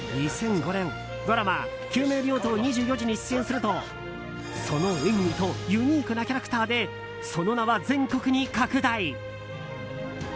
２００５年、ドラマ「救命病棟２４時」に出演するとその演技とユニークなキャラクターでその名は全国に拡大。